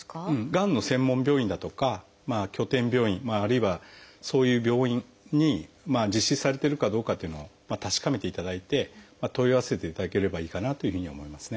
がんの専門病院だとか拠点病院あるいはそういう病院に実施されてるかどうかというのを確かめていただいて問い合わせていただければいいかなというふうに思いますね。